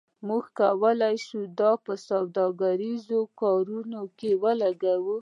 موږ کولی شو دا په سوداګریزو کارتونو کې ولیکو